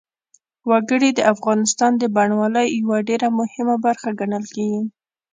وګړي د افغانستان د بڼوالۍ یوه ډېره مهمه برخه ګڼل کېږي.